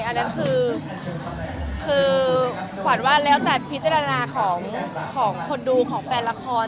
อันนั้นคือขวัญว่าแล้วแต่พิจารณาของคนดูของแฟนละคร